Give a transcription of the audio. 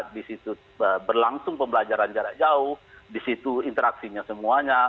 di situ berlangsung pembelajaran jarak jauh di situ interaksinya semuanya